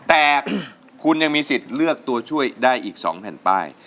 แต่คุณยังมีสิทธิ์เลือกตัวช่วยได้อีก๒แผ่นป้าย